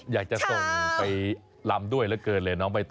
อยากจะส่งไปลำด้วยเหลือเกินเลยน้องใบต